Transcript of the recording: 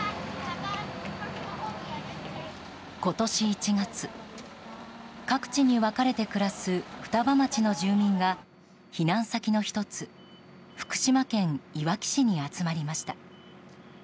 今年１月、各地に別れて暮らす双葉町の住民が避難先の１つ福島県いわき市に集まりました。